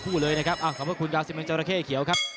คุณกาวสิบหมื่นเจ้าระเข้เขียวครับ